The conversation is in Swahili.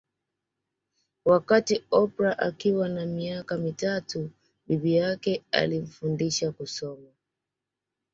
Wakati Oprah Akiwa na miaka mitatu bibi yake alimfundisha kusoma